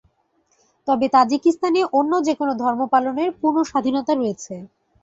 তবে তাজিকিস্তানে অন্য যেকোনো ধর্ম পালনের পূর্ণ স্বাধীনতা রয়েছে।